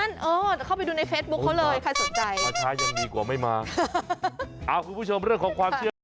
เออเข้าไปดูในเฟสบุ๊คเขาเลยใครสนใจประชายังดีกว่าไม่มา